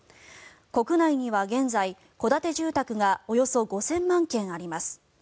国内には現在、戸建て住宅がおよそ５０００万軒あります。